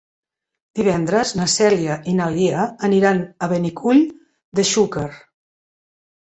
Divendres na Cèlia i na Lia aniran a Benicull de Xúquer.